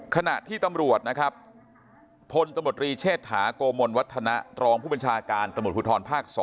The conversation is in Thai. ขณะที่ตำรวจพลตมตรีเชษฐาโกมนวัฒนารองผู้บัญชาการตมตรภูทรภาค๒